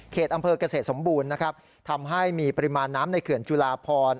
อำเภอกเกษตรสมบูรณ์นะครับทำให้มีปริมาณน้ำในเขื่อนจุลาพร